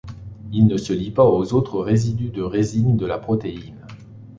Il ne se lie pas aux autres résidus de sérine de la protéine.